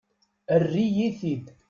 Err-iyi-t-id!